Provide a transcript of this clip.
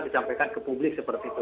disampaikan ke publik seperti itu